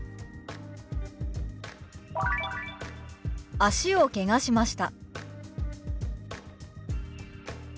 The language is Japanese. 「脚をけがしました」。